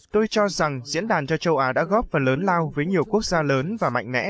tôi cho rằng diễn đàn cho châu á đã góp phần lớn lao với nhiều quốc gia lớn và mạnh mẽ